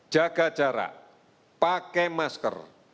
jaga jarak pakai masker